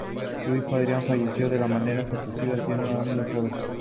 Su hijo Adrián falleció de manera sorpresiva siendo aún muy joven.